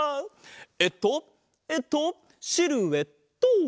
えっとえっとシルエット！